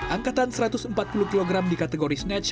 angkatan satu ratus empat puluh kg di kategori snatch